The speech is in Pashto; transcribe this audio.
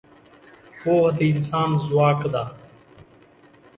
پوهه د انسان ځواک ده.